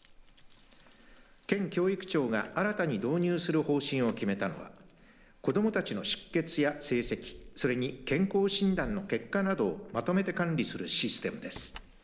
県教育庁が新たに導入する方針を決めたのは子どもたちの出欠や成績それに健康診断の結果などをまとめて管理するシステムです。